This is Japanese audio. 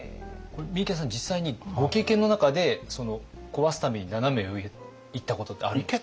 三池さん実際にご経験の中で壊すためにナナメ上いったことってありますか？